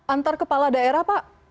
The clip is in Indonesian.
antar kepala daerah pak